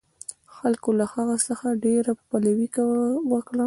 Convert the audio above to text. خلکو له هغه څخه ډېره پلوي وکړه.